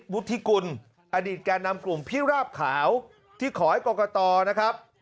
วุฒิกุลอดีตแก่นำกลุ่มพิราบขาวที่ขอให้กรกตนะครับ